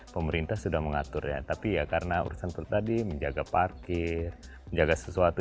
pemerintah sudah mengatur ya tapi ya karena urusan perut tadi menjaga parkir menjaga sesuatu